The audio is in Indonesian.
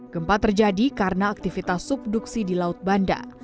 gempa terjadi karena aktivitas subduksi di laut banda